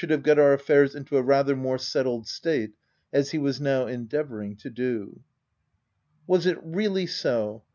211 have got our affairs into a rather more settled state, as he was now endeavouring to do. Was it really so